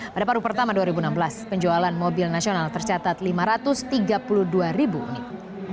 pada paru pertama dua ribu enam belas penjualan mobil nasional tercatat lima ratus tiga puluh dua ribu unit